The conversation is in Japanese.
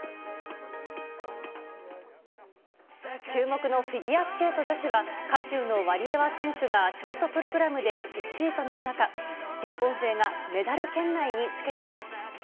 注目のフィギュアスケート女子は、渦中のワリエワ選手がショートプログラムで１位となる中、日本勢がメダル圏内につけています。